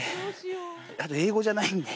英語じゃないんで。